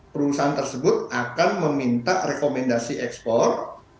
perusahaan tersebut akan meminta rekomendasi ekspor